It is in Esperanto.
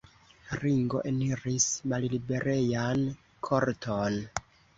Ringo eniris malliberejan korton.